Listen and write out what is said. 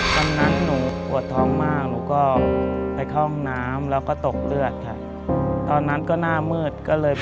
ตอนนั้นหนู้วท้องมากหนูก็ไปข้องน้ำแล้วก็ตกเลือด